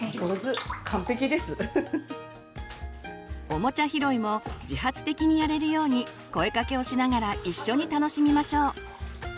オモチャ拾いも自発的にやれるように声かけをしながら一緒に楽しみましょう。